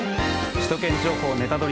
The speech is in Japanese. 「首都圏情報ネタドリ！」